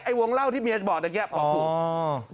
ไอ้วงเล่าที่เมียบอกเดี๋ยวแกบอกผม